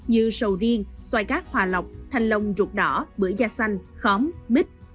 như sầu riêng xoài cát hòa lọc thanh lông ruột đỏ bưởi da xanh khóm mít